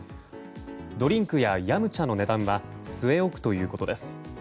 ドリンクや飲茶の値段は据え置くということです。